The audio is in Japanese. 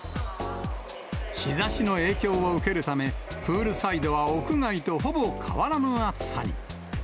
日ざしの影響を受けるため、プールサイドは屋外とほぼ変わらぬ暑さに。